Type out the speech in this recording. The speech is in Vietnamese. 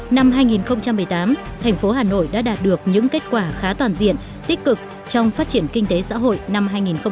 năm hai nghìn một mươi tám thành phố hà nội đã đạt được những kết quả khá toàn diện tích cực trong phát triển kinh tế xã hội năm hai nghìn một mươi tám